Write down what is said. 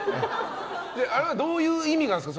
あれはどういう意味なんですか。